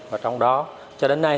và trong đó cho đến nay